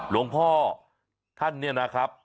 หลวงพ่อท่านเนี่ยนะครับ